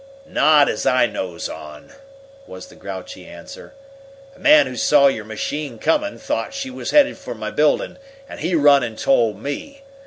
"Not as I knows on," was the grouchy answer. "A man who saw your machine coming thought she was headed for my building, and he run and told me.